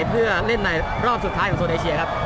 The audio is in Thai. เพื่อเล่นในรอบสุดท้ายของโซนเอเชียครับ